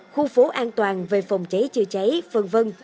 khu phố an toàn về phòng cháy chữa cháy v v